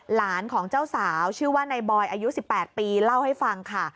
หลานของเจ้าสาวชื่อว่านายบอยอายุ๑๘ปีเล่าให้ฟังค่ะ